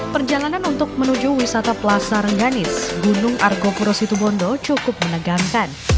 perjalanan untuk menuju wisata plaza rengganis gunung argopuro situbondo cukup menegangkan